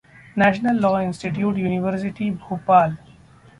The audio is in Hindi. national law institute university Bhopal